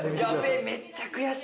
めっちゃ悔しい！